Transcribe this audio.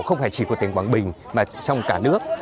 không phải chỉ của tỉnh quảng bình mà trong cả nước